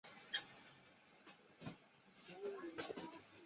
一路超冷才对